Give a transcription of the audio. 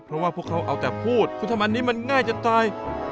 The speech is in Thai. เพราะว่าพวกเขาเอาแต่พูดคุณทำอันนี้มันง่ายจะตาย